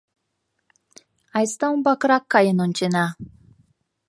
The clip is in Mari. Айста умбакырак каен ончена.